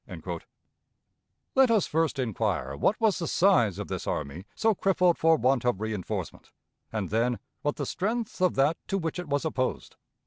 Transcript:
Let us first inquire what was the size of this army so crippled for want of reënforcement, and then what the strength of that to which it was opposed.